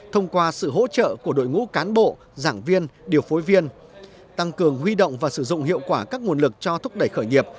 thông qua sự hỗ trợ của đội ngũ cán bộ giảng viên điều phối viên tăng cường huy động và sử dụng hiệu quả các nguồn lực cho thúc đẩy khởi nghiệp